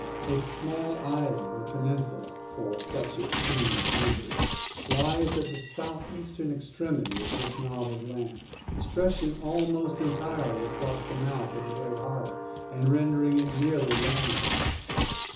A small island, or peninsula (for such it soon was rendered), lies at the south eastern extremity of this knob of land, stretching almost entirely across the mouth of the great harbour, and rendering it nearly land locked.